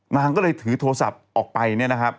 นางก็เลยถือโทรศัพท์ออกไปเนี่ยนะครับ